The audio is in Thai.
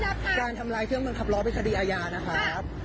ทำไมไม่รับค่ะการทำรายเครื่องขับร้อนเป็นคดีอาญานะครับ